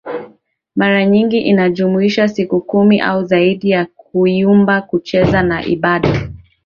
maranyingi inajumuisha siku kumi au zaidi za kuimba kucheza na ibada